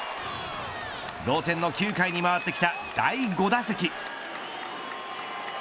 同点の９回に回ってきた第５打席。